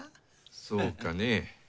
そうかね。